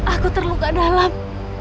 aku terluka dalam